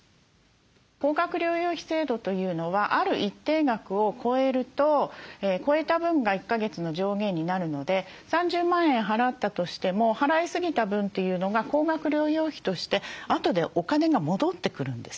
高額療養費制度というのはある一定額を超えると超えた分が１か月の上限になるので３０万円払ったとしても払いすぎた分というのが高額療養費としてあとでお金が戻ってくるんです。